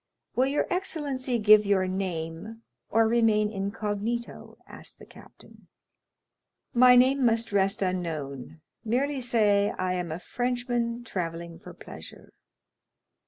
"Will your excellency give your name, or remain incognito?" asked the captain. "My name must rest unknown," replied Franz; "merely say I am a Frenchman travelling for pleasure."